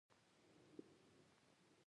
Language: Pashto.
زرکوه درې ټوکرۍ واخله درې.